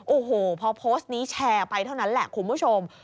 โอ้โหพอโพสต์นี้แชร์ไปเท่านั้นแหละคุณผู้ชม